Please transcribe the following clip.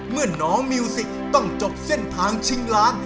เมื่อน้องมิวสิกต้องจบเส้นทางชิงล้าน